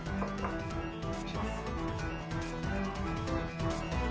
失礼します